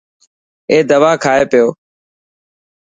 اي دوا کائي پيو.